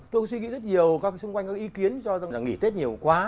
tôi suy nghĩ rất nhiều các xung quanh các ý kiến cho rằng là nghỉ tết nhiều quá